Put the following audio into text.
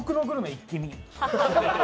一気見。